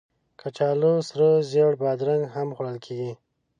کچالو سره زېړه بادرنګ هم خوړل کېږي